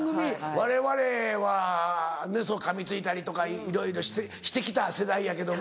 われわれはかみついたりとかいろいろして来た世代やけども。